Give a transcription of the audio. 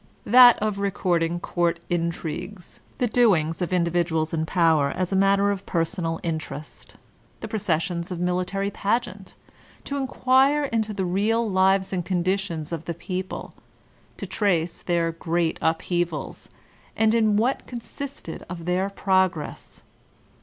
that of recording court intrigues, the doings of individuals in power as a matter of personal interest, the processions of military pageant, to inquire into the real lives and conditions of the people, to trace their great upheavals, and in what consisted their progress.